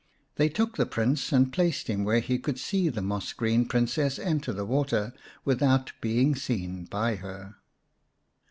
" They took the Prince, and placed him where he could see the moss green Princess enter the water without being seen by her.